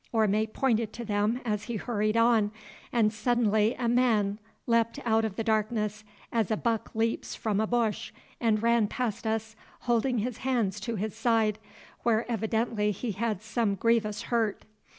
Orme pointed to them as he hurried on, and suddenly a man leapt out of the darkness as a buck leaps from a bush, and ran past us, holding his hands to his side, where evidently he had some grievous hurt.